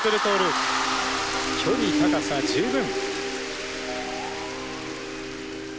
距離高さ十分。